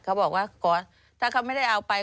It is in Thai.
เขาบอกว่าขอถ้าเขาไม่ได้เอาไป